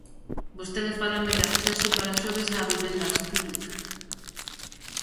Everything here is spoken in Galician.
Vostede fálame de acceso para xoves a vivendas públicas.